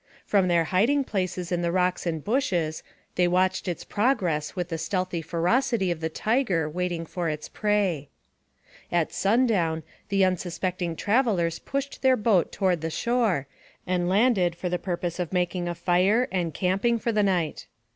From their hiding places in the rocks and bushes, they watched its progress with the stealthy ferocity of the tiger waiting for his prey. At sundown the unsuspecting travelers pushed their boat toward the shore, and landed for the purpose of making a fire and camping for the night.